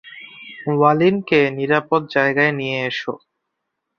ওয়ানলিকে নিরাপদ জায়গায় নিয়ে এসো।